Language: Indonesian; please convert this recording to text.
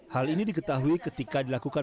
hal ini diketahui ketika dilakukan